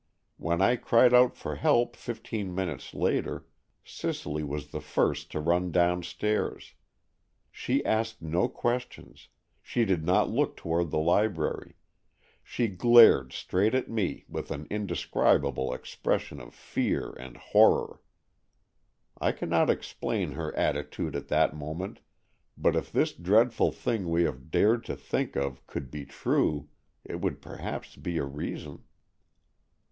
When I cried out for help fifteen minutes later, Cicely was the first to run downstairs. She asked no questions, she did not look toward the library, she glared straight at me with an indescribable expression of fear and horror. I cannot explain her attitude at that moment, but if this dreadful thing we have dared to think of could be true, it would perhaps be a reason."